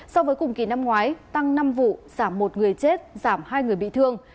so với cùng kỳ năm ngoái tăng năm vụ giảm một người chết giảm hai người bị thương